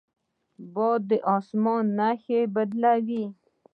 باد د اسمان نښې بدلوي